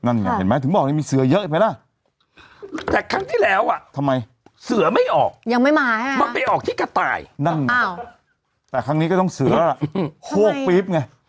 นั่นเนี่ยเห็นมั้ยถึงบอกว่ามีเสือเยอะไปแล้วแต่ครั้งที่แล้วอ่ะทำไมเสือไม่ออกยังไม่มามาไปออกที่กระต่ายนั่นอ่ะแต่ครั้งนี้ก็ต้องเสือแล้วอ่ะโคกปริ๊บไง